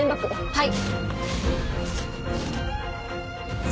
はい。